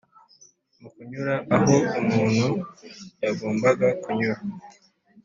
Mu kunyura aho umuntu yagombaga kunyura